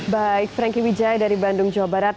baik frankie wijai dari bandung jawa barat